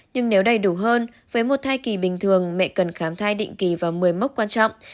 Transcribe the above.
nhưng nếu đầy đủ hơn với một thai kỳ bình thường mẹ cần khám thai định kỳ vào một mươi mốc quan trọng